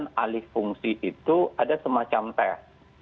dengan alih fungsi itu ada semacam tes